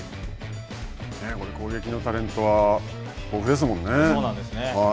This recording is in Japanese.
攻撃のタレントは豊富ですもんね。